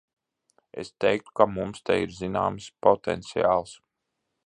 Es teiktu, ka mums te ir zināms potenciāls.